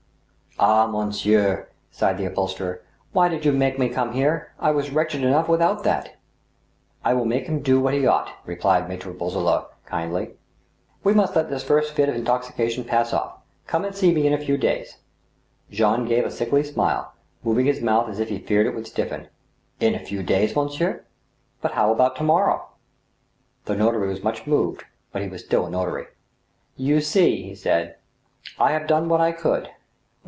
" Ah, monsieur I " sighed the upholsterer, " why did you make me come here ? I was wretched enough without that !"" I will make him do what he ought," replied Mahre Boisselot, kindly. " We must let this first fit of intoxication pass off. Come and see me in a few days." Jean gave a sickly smile, moving his mouth as if he feared it would stiffen. " In a few days, monsieur ; but how about to morrow ?" The notary was much moved, but he was still a notary. " You see," he said, " I have done what I could.